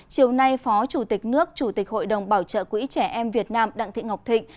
chiều nay phó chủ tịch nước chủ tịch hội đồng bảo trợ quỹ trẻ em việt nam đặng thị ngọc thịnh